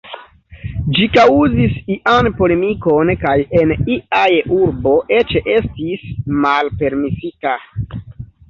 Ĝi kaŭzis ian polemikon kaj en iaj urbo eĉ estis malpermesita.